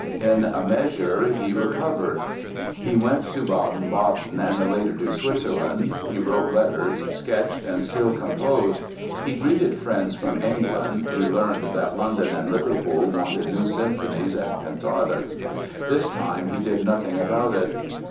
In a measure he recovered. He went to Baden Baden and later to Switzerland. He wrote letters, sketched and still composed. He greeted friends from England, he learned that London and Liverpool wanted new symphonies and cantatas. This time he did nothing about it.